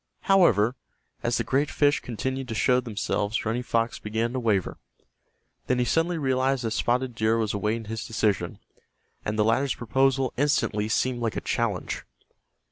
However, as the great fish continued to show themselves Running Fox began to waver. Then he suddenly realized that Spotted Deer was awaiting his decision, and the latter's proposal instantly seemed like a challenge.